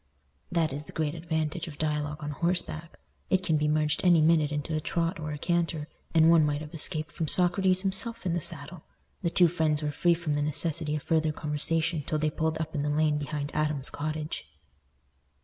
That is the great advantage of dialogue on horseback; it can be merged any minute into a trot or a canter, and one might have escaped from Socrates himself in the saddle. The two friends were free from the necessity of further conversation till they pulled up in the lane behind Adam's cottage.